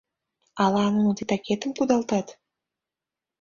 Ала нуно титакетым кудалтат?..